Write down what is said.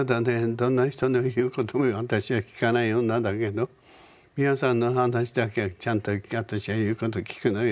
「どんな人の言うことも私は聞かない女だけど美輪さんの話だけはちゃんと私は言うこと聞くのよ」